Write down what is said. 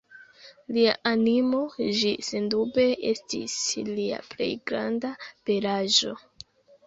Lia animo, ĝi sendube estis lia plej granda belaĵo!